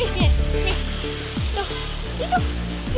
itu dia kan itu udah habis